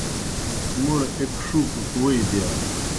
موْڑ ایْک ݜُوکَک ووئی دِیا۔